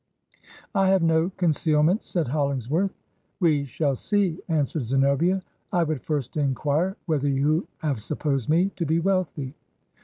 'I have no concealments,' said Holhngs worth. 'We shall see,' answered Zenobia. 'I would first inquire whether you have supposed me to be wealthy?'